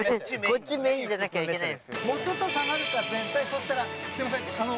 こっちメインじゃなきゃいけないんですよ。